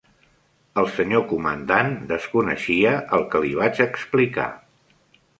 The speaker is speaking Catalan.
El senyor Comandant desconeixia el que li vaig explicar.